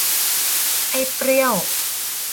ไอ้เปรี้ยว